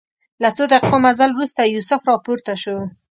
له څو دقیقو مزل وروسته یوسف راپورته شو.